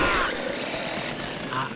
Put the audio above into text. あっ。